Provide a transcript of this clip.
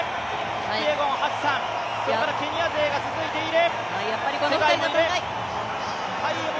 キプイエゴン、ハッサンそこからケニア勢が続いている。